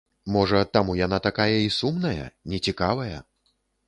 Можа, таму яна такая і сумная, нецікавая.